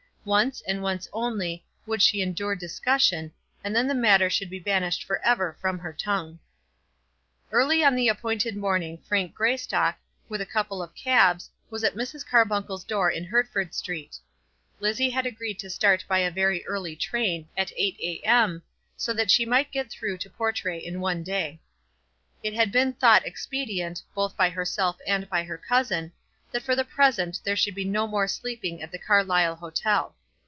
Once, and once only, would she endure discussion, and then the matter should be banished for ever from her tongue. Early on the appointed morning Frank Greystock, with a couple of cabs, was at Mrs. Carbuncle's door in Hertford Street. Lizzie had agreed to start by a very early train, at eight a.m., so that she might get through to Portray in one day. It had been thought expedient, both by herself and by her cousin, that for the present there should be no more sleeping at the Carlisle hotel.